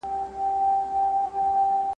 کندهار تاریخي ارزښت لري.